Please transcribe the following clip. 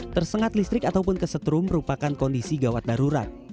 tersengat listrik ataupun kesetrum merupakan kondisi gawat darurat